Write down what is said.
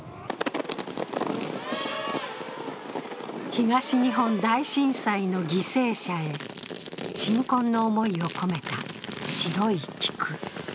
東日本大震災の犠牲者へ、鎮魂の思いを込めた白い菊。